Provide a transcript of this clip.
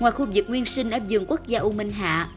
ngoài khu vực nguyên sinh ở vườn quốc gia u minh hạ